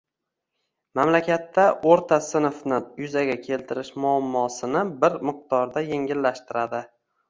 mamlakatda o‘rta sinfni yuzaga keltirish muammosini bir miqdorda yengillashtiradi.